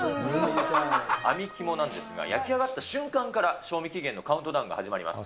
あみ肝なんですが、焼き上がった瞬間から賞味期限のカウントダウンが始まります。